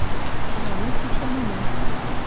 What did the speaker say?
Тыланет ӱшанена.